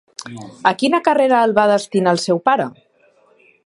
A quina carrera el va destinar el seu pare?